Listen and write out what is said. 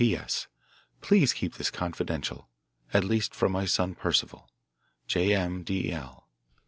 P.S. Please keep this confidential at least from my son Percival. J. M. DeL.